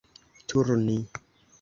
turni